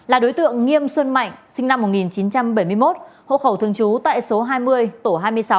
là đối tượng nghiêm xuân mạnh sinh năm một nghìn chín trăm bảy mươi một hộ khẩu thường trú tại số hai mươi tổ hai mươi sáu